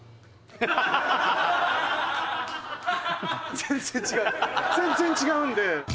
全然違う全然違うんで。